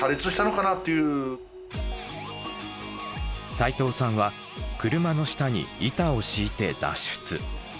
齋藤さんは車の下に板を敷いて脱出。